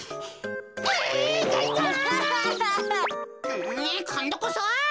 うんこんどこそ！